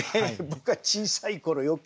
僕は小さい頃よく。